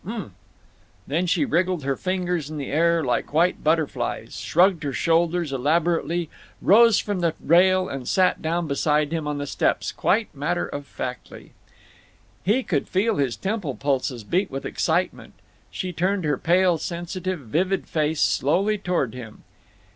Umph!" Then she wriggled her fingers in the air like white butterflies, shrugged her shoulders elaborately, rose from the rail, and sat down beside him on the steps, quite matter of factly. He could feel his temple pulses beat with excitement. She turned her pale sensitive vivid face slowly toward him.